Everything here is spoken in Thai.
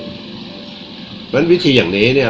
เพราะฉะนั้นวิธีอย่างนี้เนี่ย